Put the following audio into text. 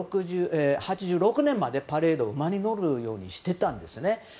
１９８６年までパレード馬に乗るようにしていたんですね。